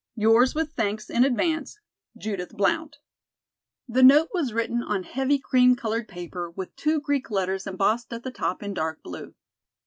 "'Yours with thanks in advance, "'JUDITH BLOUNT.'" The note was written on heavy cream colored paper with two Greek letters embossed at the top in dark blue.